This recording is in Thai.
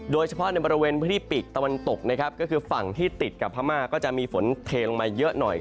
โดยเฉพาะในบริเวณพื้นที่ปีกตะวันตกนะครับก็คือฝั่งที่ติดกับพม่าก็จะมีฝนเทลงมาเยอะหน่อย